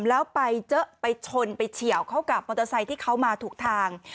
แล้วไปเจอไปชนไปเฉียวเข้ากับมอเตอร์ไซค์ที่เขามาถูกทาง